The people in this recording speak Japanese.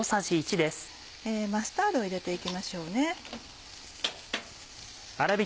マスタードを入れて行きましょうね。